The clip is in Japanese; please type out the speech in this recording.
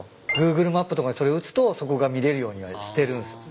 Ｇｏｏｇｌｅマップとかにそれ打つとそこが見れるようにしてるんすよ。